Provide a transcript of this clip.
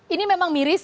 ini memang miris